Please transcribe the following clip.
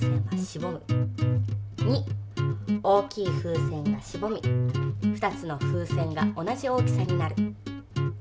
２大きい風船がしぼみ２つの風船が同じ大きさになる。